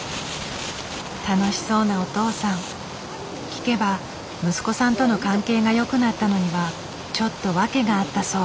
聞けば息子さんとの関係がよくなったのにはちょっと訳があったそう。